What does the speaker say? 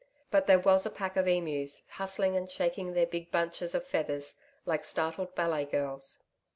But there was a pack of emus hustling and shaking their big bunches of feathers like startled ballet girls.